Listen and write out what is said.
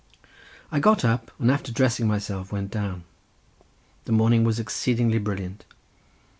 I got up, and after dressing myself went down. The morning was exceedingly brilliant.